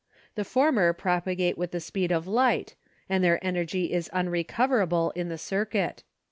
The former propagate with the speed of light and their energy is unrecoverable in the circuit.